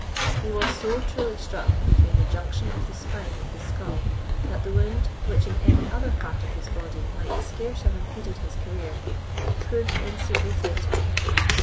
He was so truly struck between the junction of the spine with the skull, that the wound, which in any other part of his body might scarce have impeded his career, proved instantly fatal.